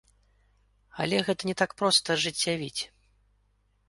Але гэта не так проста ажыццявіць.